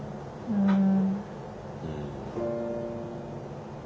うん。